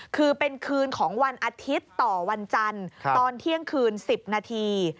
คือเป็นคืนของวันอาทิตย์ต่อวันจันทร์ตอนเที่ยงคืน๑๐นาที